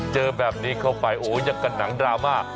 เจอแบบนี้เข้าไปโอ้ยังกันหนังดราม่า